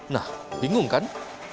nah bingung kan